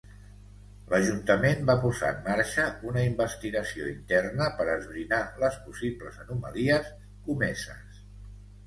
L'Ajuntament va posar en marxa una investigació interna per esbrinar les possibles anomalies comeses.